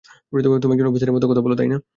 তুমি একজন অফিসারের মত কথা বলো?